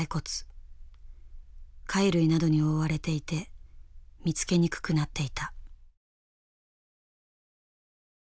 貝類などに覆われていて見つけにくくなっていた。